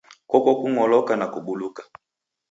Koko kung'oloka na kubuluka.